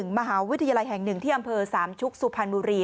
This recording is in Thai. มหาวิทยาลัยแห่ง๑ที่อำเภอสามชุกสุพรรณบุรี